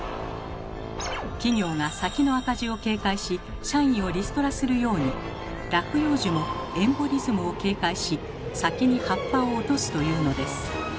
企業が先の赤字を警戒し社員をリストラするように落葉樹もエンボリズムを警戒し先に葉っぱを落とすというのです。